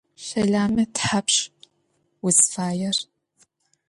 Şeleme thapşş vuzfaêr?